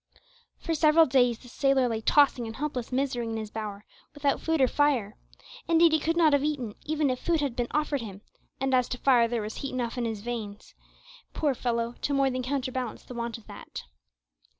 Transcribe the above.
For several days the sailor lay tossing in helpless misery in his bower, without food or fire. Indeed he could not have eaten even if food had been offered him, and as to fire, there was heat enough in his veins, poor fellow! to more than counterbalance the want of that.